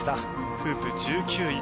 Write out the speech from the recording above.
フープ、１９位。